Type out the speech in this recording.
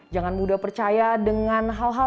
jangan mudah percaya dengan hal hal